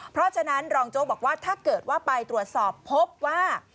เพราะฉะนั้นรองโจ๊กบอกว่าถ้าเกิดว่าไปตรวจสอบพบว่า